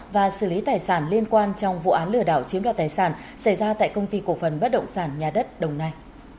và xử lý tài sản liên quan trong vụ án lừa đảo chiếm đoạt tài sản xảy ra tại công ty cổ phần bất động sản nhà đất đồng nai